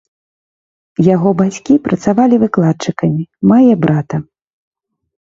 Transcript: Яго бацькі працавалі выкладчыкамі, мае брата.